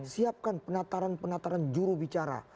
siapkan penataran penataran jurubicara